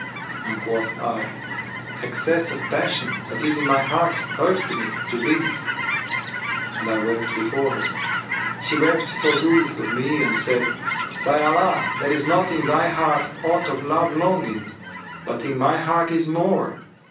and quoth I, 'Excess of passion that is in my heart urged me to this,' and I wept before her. She wept for ruth of me and said, 'By Allah, there is not in thy heart aught of love longing but in my heart is more!